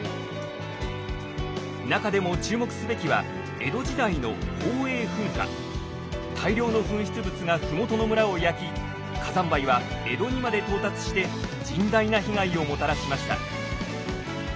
中でも注目すべきは大量の噴出物が麓の村を焼き火山灰は江戸にまで到達して甚大な被害をもたらしました。